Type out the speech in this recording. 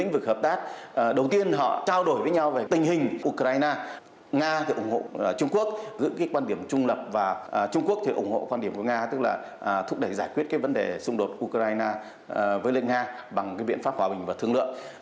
và trung quốc ủng hộ quan điểm của nga tức là thúc đẩy giải quyết vấn đề xung đột ukraine với nga bằng biện pháp hòa bình và thương lượng